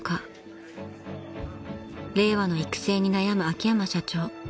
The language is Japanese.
［令和の育成に悩む秋山社長］